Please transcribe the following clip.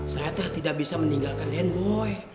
saya tak bisa meninggalkan den boy